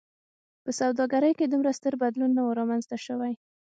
په سوداګرۍ کې دومره ستر بدلون نه و رامنځته شوی.